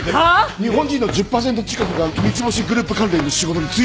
日本人の１０％近くが三ツ星グループ関連の仕事に就いてるはずだ。